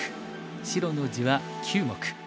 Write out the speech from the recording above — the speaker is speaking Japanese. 白の地は９目。